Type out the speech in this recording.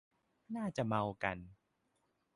น่าจะเมากัน